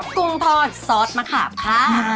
กุ้งทอดซอสมะขาบค่ะ